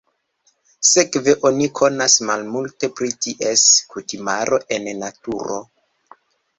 Sekve oni konas malmulte pri ties kutimaro en naturo.